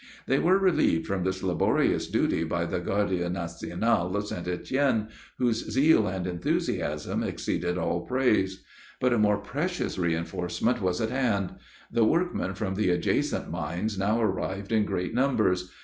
They were relieved from this laborious duty by the Garde Nationale of St. Etienne, whose zeal and enthusiasm exceeded all praise. But a more precious reinforcement was at hand; the workmen from the adjacent mines now arrived in great numbers.